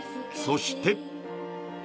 そして。